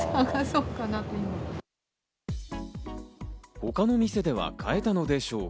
他の店では買えたのでしょうか？